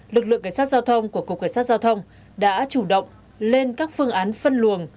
lực lượng cảnh sát giao thông của cục cảnh sát giao thông đã chủ động lên các phương án phân luồng